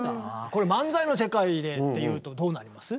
これ漫才の世界でっていうとどうなります？